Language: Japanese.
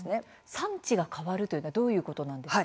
産地が変わるというのはどういうことなんですか。